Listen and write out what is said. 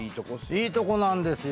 いいとこなんですよ。